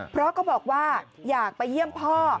เพราะก็บอกว่าอยากไปเยี่ยมพ่อ